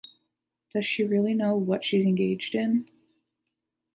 Does she really know what she's engaged in?